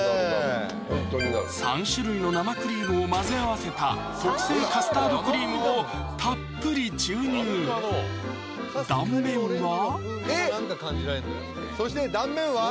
ホントになる３種類の生クリームを混ぜ合わせた特製カスタードクリームをたっぷり注入断面はそして断面は？